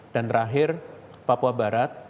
dan terakhir papua barat